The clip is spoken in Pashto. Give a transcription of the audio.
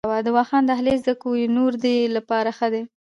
د واخان دهلیز د کوه نوردۍ لپاره ښه دی؟